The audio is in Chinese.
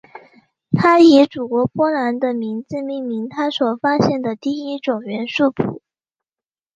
她以祖国波兰的名字命名她所发现的第一种元素钋。